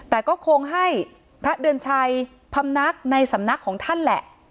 แต่ก็คงให้พระเดือนชัยพำนักในสำนักของท่านแหละ